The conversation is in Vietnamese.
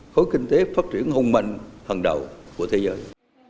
khối kinh tế phát triển hồng mạnh thần đầu của thế giới